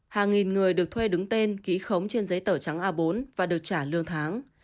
hàng nghìn người được thuê đứng tên ký khống trên giấy tờ trắng a bốn và được trả lương tháng